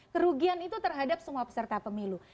kerugian itu terhadap semua peserta pemilu